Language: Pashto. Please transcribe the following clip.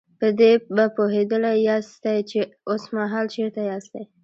په دې به پوهېدلي ياستئ چې اوسمهال چېرته ياستئ.